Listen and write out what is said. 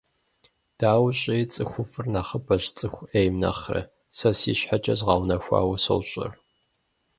Дауи щӏыи, цӏыхуфӏыр нэхъыбэщ цӏыху ӏейм нэхъырэ, сэ си щхьэкӏэ згъэунэхуауэ сощӏэр.